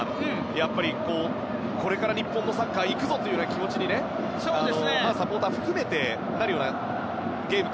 やっぱり、これから日本のサッカー、行くぞという気持ちにファン、サポーター含めなるようにね。